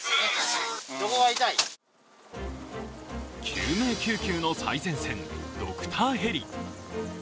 救命救急の最前線、ドクターヘリ。